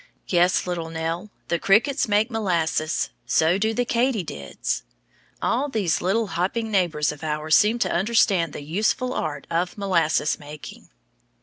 Yes, little Nell, the crickets make molasses. So do the katydids. All these little hopping neighbors of ours seem to understand the useful art of molasses making.